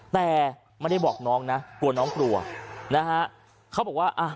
แต่ไม่ได้บอกน้องนะกลัวน้องกลัวนะฮะเขาบอกว่าอ่ะ